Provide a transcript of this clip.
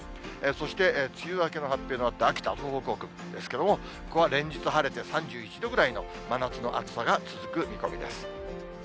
そして梅雨明けの発表のあった秋田、東北北部ですけれども、ここは連日晴れて、３１度ぐらいの真夏の暑さが続く見込みです。